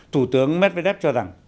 thủ tướng medvedev cho rằng